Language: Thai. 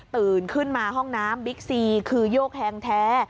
ตื่นขึ้นมาห้องน้ำบิ๊กซีคือโยกแฮงแท้